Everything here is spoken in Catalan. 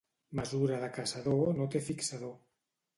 Mesura de caçador no té fixador.